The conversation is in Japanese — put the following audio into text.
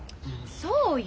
そうよ